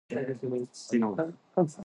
桜が咲いたね